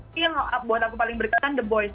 tapi yang buat aku paling berkenan the boyz